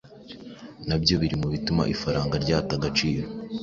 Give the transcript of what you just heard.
na byo biri mu bituma ifaranga ryata agaciro.